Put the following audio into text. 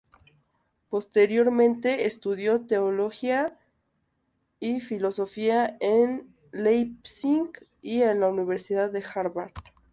Posteriormente estudió teología y filosofía en Leipzig y en la Universidad de Harvard.